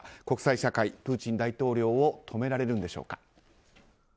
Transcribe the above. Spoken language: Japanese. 国際社会、プーチン大統領を止められるんでしょうか。